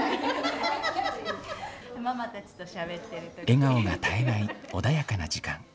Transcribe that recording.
笑顔が絶えない穏やかな時間。